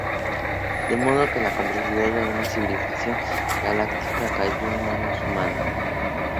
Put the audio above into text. De modo que la complejidad de una civilización galáctica cayó en manos humanas.